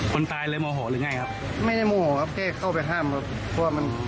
กลายไฟไหนแพ้ครับพี่